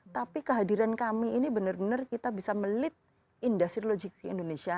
tapi kehadiran kami ini benar benar kita bisa melit industri logistik indonesia